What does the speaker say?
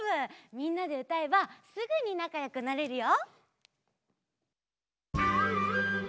みんなでうたえばすぐになかよくなれるよ。